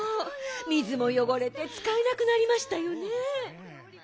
水もよごれてつかえなくなりましたよね。